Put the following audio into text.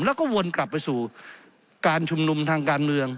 แล้วก็วนกลับไปสู่การชุมนุมทางการเมือง